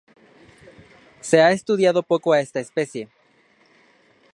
Se ha estudiado poco a esta especie.